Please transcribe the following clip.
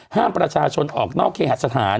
ห้ามประชาชนออกนอกเคหสถาน